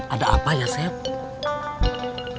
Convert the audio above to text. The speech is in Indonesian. ada apa ya sepp